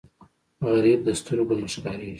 غریب د سترګو نه ښکارېږي